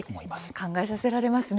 考えさせられますね。